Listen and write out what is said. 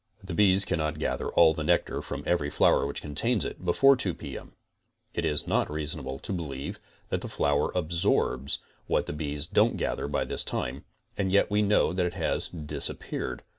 The bees can not gather all the nectar from every flower which contains it, before 2 P. M. It is not reason able to beleive that the flower absorbs what the bees don't gather by this time, and yet we know that it has disappeared.